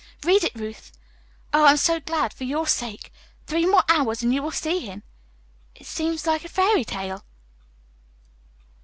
"Read it, Ruth. Oh, I am so glad for your sake. Three more hours and you will see him. It seems like a fairytale."